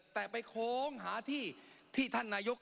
แต่ไปโค้งหาที่ที่ท่านนายก